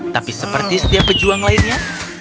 tapi seperti setiap pejuang lainnya